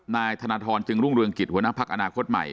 นายธนทรจึงรุ่งเรืองกิจหัวหน้าพักอนาคตใหม่